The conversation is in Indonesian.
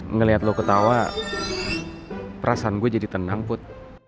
ngelihat lo ketawa perasaan gue jadi tenang put